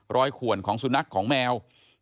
ขวนของสุนัขของแมว